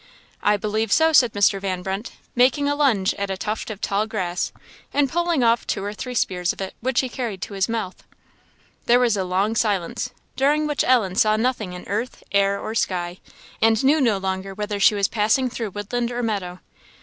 "I believe so," said Mr. Van Brunt, making a lunge at a tuft of tall grass, and pulling off two or three spears of it, which he carried to his mouth. There was a long silence, during which Ellen saw nothing in earth, air, or sky, and knew no longer whether she was passing through woodland or meadow.